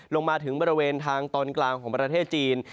ลงมาถึงบริเวณทางตอนกลางของประเทศจีน